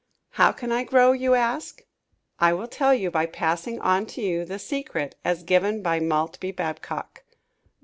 "How can I grow?" you ask. I will tell you by passing on to you the secret as given by Maltbie Babcock.